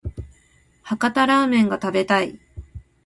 博多ラーメンが食べたい